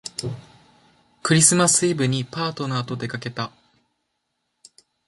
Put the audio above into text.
クリスマスイブにパートナーとでかけた